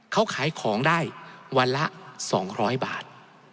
เขาขายของได้วันละ๒๐๐บาท